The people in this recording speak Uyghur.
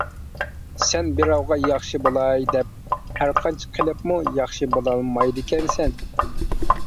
سەن بىراۋغا ياخشى بولاي دەپ ھەرقانچە قىلىپمۇ ياخشى بولالمايدىكەنسەن.